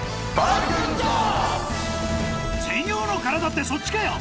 「専用の体」ってそっちかよ！